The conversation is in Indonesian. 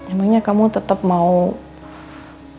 emangnya kamu tetep mau nangkep riki